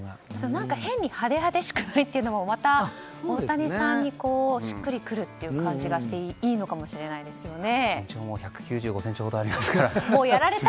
何か変に派手派手しくないのも大谷さんにしっくり来るという感じがしていいのかもしれないですよね。